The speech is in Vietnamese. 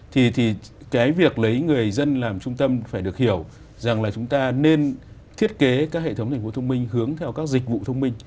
thì cái việc lấy người dân làm trung tâm phải được hiểu rằng là chúng ta nên thiết kế các hệ thống thành phố thông minh hướng theo các dịch vụ thông minh